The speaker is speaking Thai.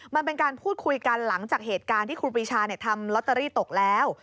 มันเป็นการพูดคุยกันหลังจากเหตุการณ์ที่ครูปีชาทำลอตเตอรี่ตกแล้ว